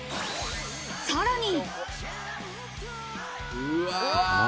さらに。